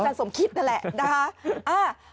การส่งคิดนั่นแหละ